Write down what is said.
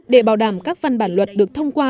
để bảo đảm các văn bản luật được thông qua